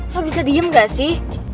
kok bisa diem gak sih